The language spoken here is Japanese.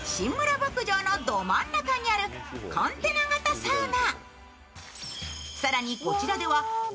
牧場のど真ん中にあるコンテナ型サウナ。